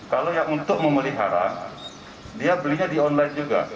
kalau yang untuk memelihara dia belinya di online juga